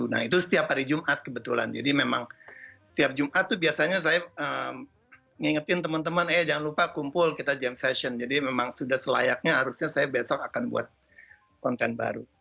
nah itu setiap hari jumat kebetulan jadi memang setiap jumat itu biasanya saya ngingetin teman teman eh jangan lupa kumpul kita jam session jadi memang sudah selayaknya harusnya saya besok akan buat konten baru